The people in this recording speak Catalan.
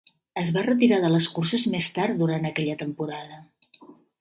Es va retirar de les curses més tard durant aquella temporada.